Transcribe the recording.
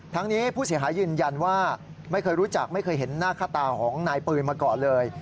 ทั้งนี้ผู้เสียหายยืนยันว่าไม่เคยรู้จักไม่เคยเห็นหน้าค่าตาของนายปืนมาก่อนเลย